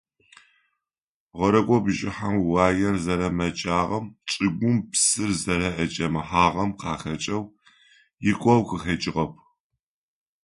Гъэрекӏо бжьыхьэм уаер зэрэмэкӏагъэм, чӏыгум псыр зэрэӏэкӏэмыхьагъэм къахэкӏэу икъоу къыхэкӏыгъэп.